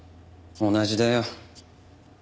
同じだよ。